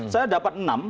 saya dapat enam